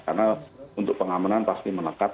karena untuk pengamanan pasti menekat